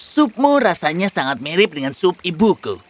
supmu rasanya sangat mirip dengan sup ibuku